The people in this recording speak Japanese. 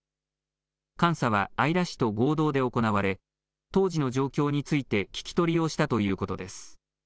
監査は姶良市と合同で行われ当時の状況について聞き取りをしたということです。